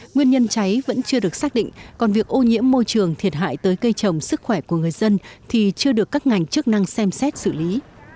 nguyên nhân cháy vẫn chưa được xác định còn việc ô nhiễm môi trường thiệt hại tới cây trồng sức khỏe của người dân thì chưa được các ngành chức năng xem xét xử lý